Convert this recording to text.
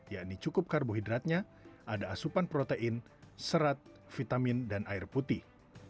yakni cukup karbohidratnya ada asupan protein serat vitamin dan air putih